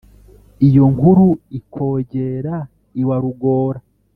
iyo nkuru ikogera iwa rugora.